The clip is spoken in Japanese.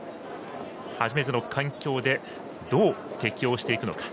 初めての環境でどう適応していくのか。